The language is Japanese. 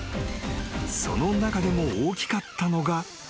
［その中でも大きかったのが］